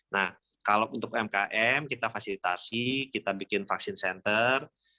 nah kalau untuk umkm kita fasilitasi kita bikin vaksin center